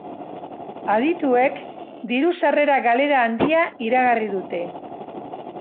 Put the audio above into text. Adituek diru sarrera galera handia iragarri dute.